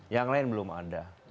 yang lain belum ada